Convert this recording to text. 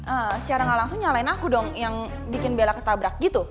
eh secara gak langsung nyalain aku dong yang bikin bela ketabrak gitu